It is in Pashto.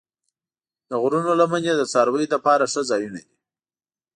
د غرونو لمنې د څارویو لپاره ښه ځایونه دي.